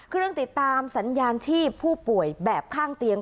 ติดตามสัญญาณชีพผู้ป่วยแบบข้างเตียง